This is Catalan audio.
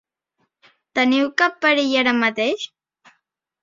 Teniu cap perill ara mateix?